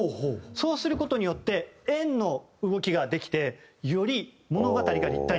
そうする事によって円の動きができてより物語が立体に見えます。